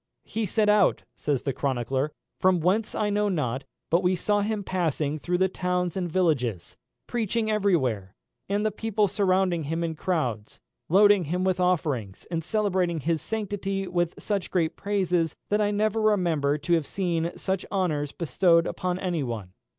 "He set out," says the chronicler, "from whence I know not; but we saw him passing through the towns and villages, preaching every where, and the people surrounding him in crowds, loading him with offerings, and celebrating his sanctity with such great praises, that I never remember to have seen such honours bestowed upon any one."